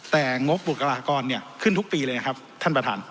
แต่งบบุคลากรขึ้นทุกปีเลยนะครับท่านประธาน